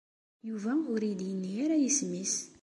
Yuba ur iyi-d-yenni ara isem-nnes.